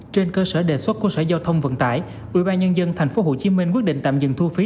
trên cơ sở đề xuất của sở giao thông vận tải ubnd tp hcm quyết định tạm dừng thu phí